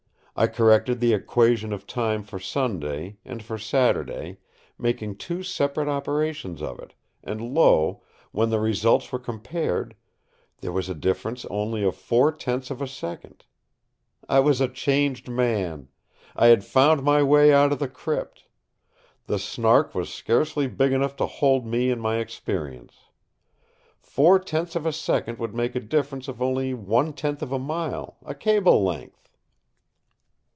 I corrected the Equation of Time for Sunday and for Saturday, making two separate operations of it, and lo, when the results were compared, there was a difference only of four tenths of a second. I was a changed man. I had found my way out of the crypt. The Snark was scarcely big enough to hold me and my experience. Four tenths of a second would make a difference of only one tenth of a mile—a cable length!